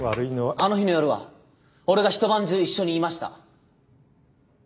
あの日の夜は俺が一晩中一緒にいました。